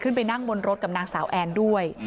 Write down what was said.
ขึ้นไปนั่งบนรถกับนางสาวแอนด้วย